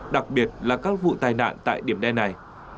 đặc biệt là các vụ tai nạn tại điểm đen này